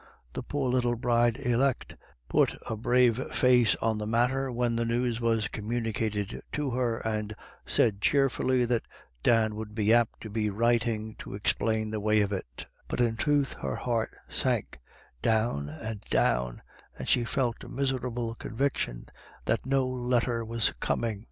The poor little bride elect put a brave face on the matter when the news was communicated to her, and said cheer fully that Dan would be apt to be writing to explain the way of it But in truth her heart sank down and down, and she felt a miserable convic tion that no letter was coming.